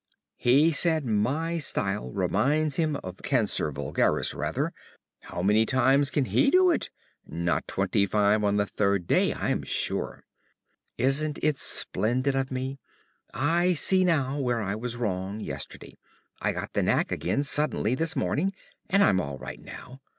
He says my style reminds him of "Cancer Vulgaris" rather. How many times can he do it? Not twenty five on the third day, I'm sure. Isn't it splendid of me? I see now where I was wrong yesterday. I got the knack again suddenly this morning, and I'm all right now.